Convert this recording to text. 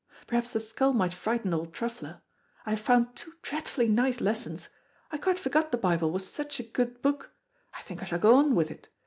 Perhaps the skull might frighten old Truffler. I have found two dreadfully nice lessons. I quite forgot the Bible was such a good book. I think I shall go on with it.